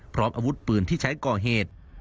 พร้อมอาวุธปืนที่ใช้ก่อเหตุ